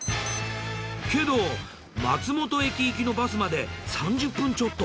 けど松本駅行きのバスまで３０分ちょっと。